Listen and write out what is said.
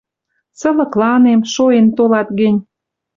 Сылыкланем, шоэн толат гӹнь.